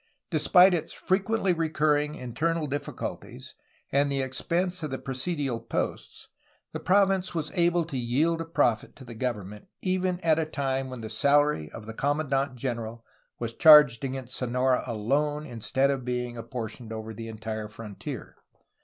Despite its frequently recurring internal difficulties and the expense of the presidial posts, the province was able to yield a profit to the government, even at a time when the salary of the commandant general was charged against Sonora alone, instead of being ap portioned over the entire frontier.